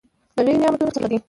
له لويو نعمتونو څخه دى.